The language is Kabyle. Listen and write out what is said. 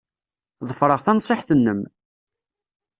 Ḍefreɣ tanṣiḥt-nnem.